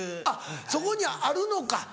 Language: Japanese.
あっそこにあるのか？